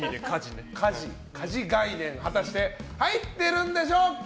家事概念、果たして入ってるんでしょうか。